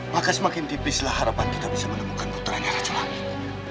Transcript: maka semakin tipislah harapan kita bisa menemukan puteranya ratu langit